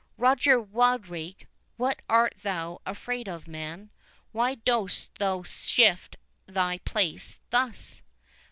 Roger Wildrake—what art thou afraid of, man?—why dost thou shift thy place thus?"